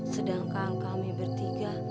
sedangkan kami bertiga